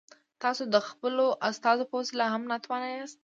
تاسو د خپلو استازو په وسیله هم ناتوان یاست.